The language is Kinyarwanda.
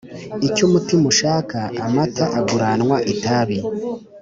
Icyumutima ushaka amata agurannwa itabi